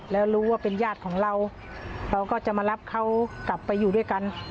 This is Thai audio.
แล้วรู้ว่าเป็นญาติของเราเราก็จะมารับเขากลับไปอยู่ด้วยกัน